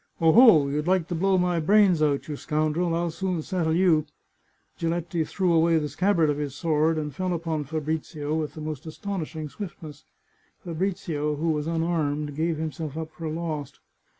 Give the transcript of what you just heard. " Oho ! you'd like to blow my brains out, you scoundrel ! I'll soon settle you !" Giletti threw away the scabbard of his sword, and fell upon Fabrizio with the most astonishing swiftness. Fa brizio, who was unarmed, gave himself up for lost.